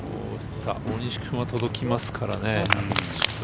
大西君は届きますからね。